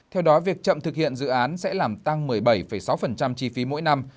theo đó việc chậm thực hiện dự án sẽ làm tăng một mươi bảy sáu chi phí mỗi năm